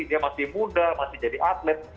dia masih muda masih jadi atlet